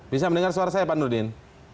bisa mendengar suara saya pak nurdin